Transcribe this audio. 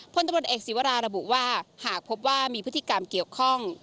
พลตำรวจเอกศิวราระบุว่าหากพบว่ามีพฤติกรรมเกี่ยวข้อง